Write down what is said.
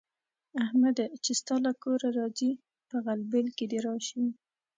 احمده! چې ستا له کوره راځي؛ په غلبېل کې دې راشي.